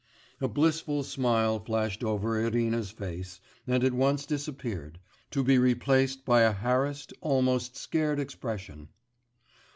A blissful smile flashed over Irina's face, and at once disappeared, to be replaced by a harassed, almost scared expression.